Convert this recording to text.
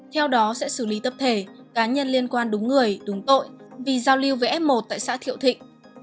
theo đó sẽ xử lý tập thể cá nhân liên quan đúng người đúng tội vì giao lưu với f một tại xã thiệu thịnh